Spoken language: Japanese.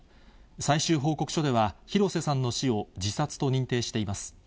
最終報告書では、廣瀬さんの死を自殺と認定しています。